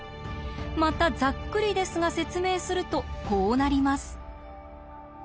またざっくりですが説明するとこうなります。